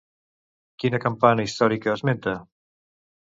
Quina campana històrica esmenta?